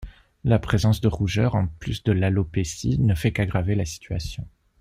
La présence de rougeur, en plus de l'alopécie, ne fait qu’aggraver la situation.